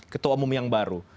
ketua umum yang baru